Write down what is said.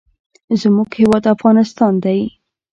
زموږ هیواد افغانستان دی.